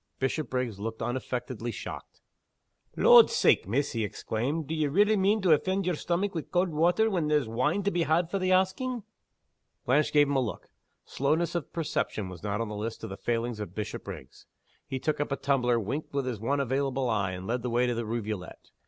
Bishopriggs looked unaffectedly shocked. "Lord's sake, miss," he exclaimed "d'ye relly mean to offend yer stomach wi' cauld water when there's wine to be had for the asking!" Blanche gave him a look. Slowness of perception was not on the list of the failings of Bishopriggs. He took up a tumbler, winked with his one available eye, and led the way to the rivulet.